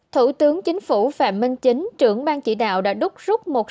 thủ tướng chính phủ phạm minh chính trưởng ban chỉ đạo đã đúc rút một